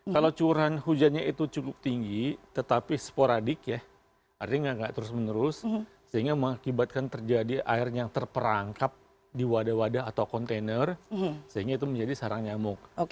kalau curah hujannya itu cukup tinggi tetapi sporadik ya artinya nggak terus menerus sehingga mengakibatkan terjadi air yang terperangkap di wadah wadah atau kontainer sehingga itu menjadi sarang nyamuk